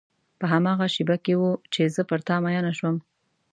په هماغه شېبه کې و چې زه پر تا مینه شوم.